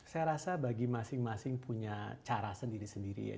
saya rasa bagi masing masing punya cara sendiri sendiri ya